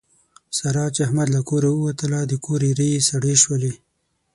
ساره چې د احمد له کوره ووتله د کور ایرې یې سړې شولې.